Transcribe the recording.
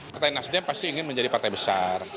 partai nasdem pasti ingin menjadi partai besar